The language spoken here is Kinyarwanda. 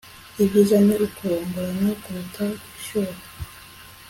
ibyiza ni ukurongorana kuruta gushyuha